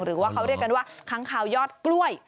หรือว่าเขาเรียกกันว่าค้างคาวยอดกล้วย